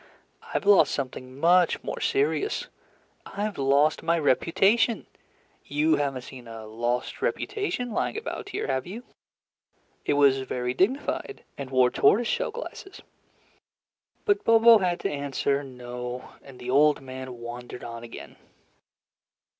"I've lost something much more serious, I've lost my reputation. You have n't seen a lost reputation lying about here, have you? It was very dignified and wore tortoise shell glasses." But Bobo had to answer "No," and the old man wandered on again.